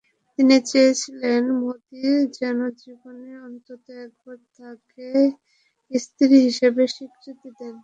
তিনি চেয়েছিলেন মোদি যেন জীবনে অন্তত একবার তাঁকে স্ত্রী হিসেবে স্বীকৃতি দেন।